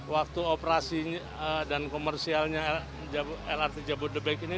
waktu operasi dan komersialnya lrt jabodebek ini